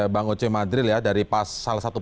bang oce madril ya dari salah satu